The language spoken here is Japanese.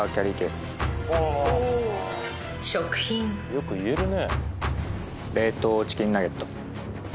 よく言えるね。